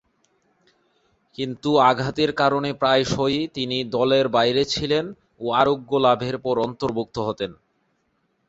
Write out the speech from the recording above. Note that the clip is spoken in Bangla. কিন্তু আঘাতের কারণে প্রায়শঃই তিনি দলের বাইরে ছিলেন ও আরোগ্য লাভের পর অন্তর্ভুক্ত হতেন।